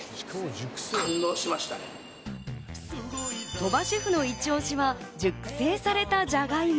鳥羽シェフのイチ押しは熟成されたじゃがいも。